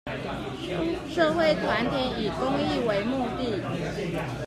社會團體以公益為目的